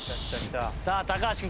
さあ橋君